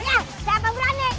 ya siapa berani